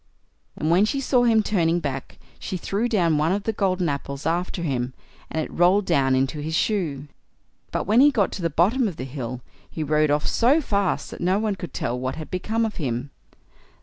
And when she saw him turning back, she threw down one of the golden apples after him, and it rolled down into his shoe. But when he got to the bottom of the hill he rode off so fast that no one could tell what had become of him.